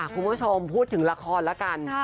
คุณผู้ชมพูดถึงละครแล้วกัน